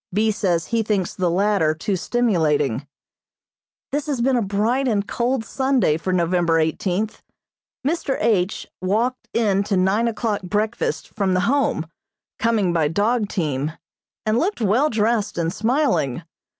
B. says he thinks the latter too stimulating. [Illustration: ESKIMO DOGS.] This has been a bright and cold Sunday for November eighteenth. Mr. H. walked in to nine o'clock breakfast from the Home, coming by dog team, and looked well dressed and smiling.